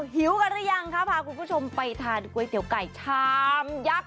หิวกันหรือยังคะพาคุณผู้ชมไปทานก๋วยเตี๋ยวไก่ชามยักษ์